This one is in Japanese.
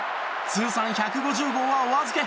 通算１５０号はお預け。